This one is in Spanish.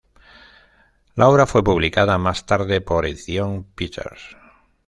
La obra fue publicada más tarde por Edición Peters.